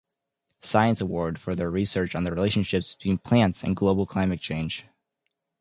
Science Award for their research on the relationships between plants and global climate change.